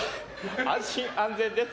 安心安全です。